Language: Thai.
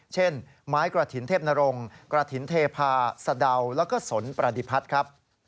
เช่นไม้กระถิ่นเทพนรงกระถิ่นเทพาสะเดาแล้วก็สนประดิพัฒน์ครับ